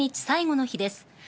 最後の日です。